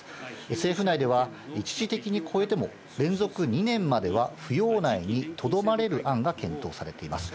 政府内では、一時的に超えても連続２年までは扶養内にとどまれる案が検討されています。